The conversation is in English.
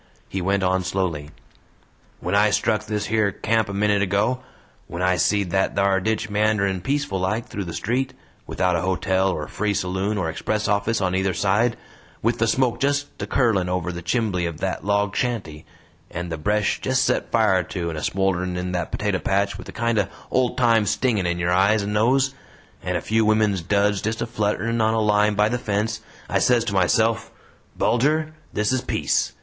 He went on slowly: "When I struck this yer camp a minit ago; when I seed that thar ditch meanderin' peaceful like through the street, without a hotel or free saloon or express office on either side; with the smoke just a curlin' over the chimbley of that log shanty, and the bresh just set fire to and a smolderin' in that potato patch with a kind o' old time stingin' in your eyes and nose, and a few women's duds just a flutterin' on a line by the fence, I says to myself: 'Bulger this is peace!